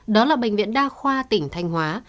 đó là bệnh viện đa khoa tỉnh thanh hóa